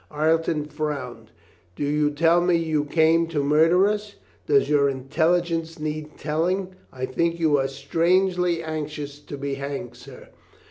Ireton frowned. "Do you tell me you came to murder us?" "Does your intelligence need telling?" "I think you are strangely anxious to be hanged, sir."